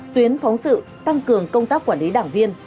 tuyến phóng sự tăng cường công tác quản lý đảng viên